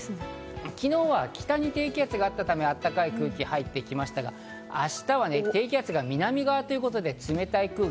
昨日は北に低気圧があったため、暖かい空気が入ってきましたが、明日は低気圧が南側ということで、冷たい空気。